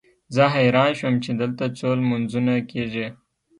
زه حیران شوم چې دلته څو لمونځونه کېږي.